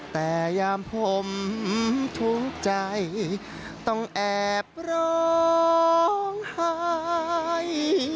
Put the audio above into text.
แต่ยามผมทุกข์ใจต้องแอบร้องหาย